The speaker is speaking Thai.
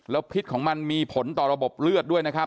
พิษของมันมีผลต่อระบบเลือดด้วยนะครับ